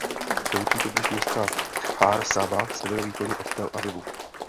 Končí poblíž města Kfar Saba severovýchodně od Tel Avivu.